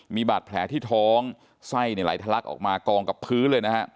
มีบาดแผลที่ท้องไส้ไหลทะลักออกมากองกับพื้นเลยนะฮะ